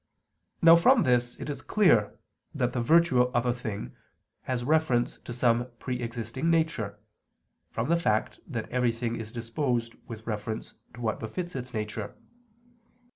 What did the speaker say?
Now from this it is clear that the virtue of a thing has reference to some pre existing nature, from the fact that everything is disposed with reference to what befits its nature.